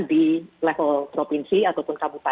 di level provinsi ataupun kabupaten